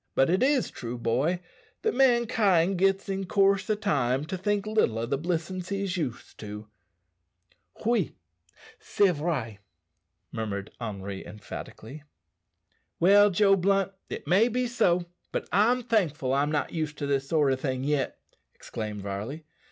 But it is true, boy, that mankind gits in coorse o' time to think little o' the blissin's he's used to." "Oui, c'est vrai!" murmured Henri emphatically. "Well, Joe Blunt, it may be so, but I'm thankful I'm not used to this sort o' thing yet," exclaimed Varley.